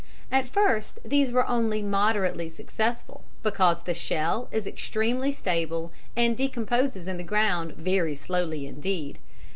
At first these were only moderately successful, because the shell is extremely stable and decomposes in the ground very slowly indeed.